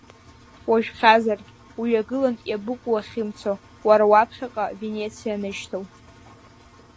Уажәхьазаргь, уҩагылан иабыкәу уахьымцо, уара уаԥхьаҟа Венециа анышьҭоу!